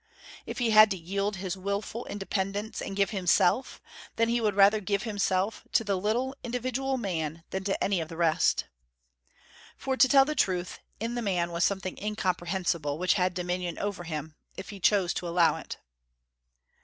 if he had to yield his wilful independence, and give himself, then he would rather give himself to the little, individual man than to any of the rest. For to tell the truth, in the man was something incomprehensible, which had dominion over him, if he chose to allow it.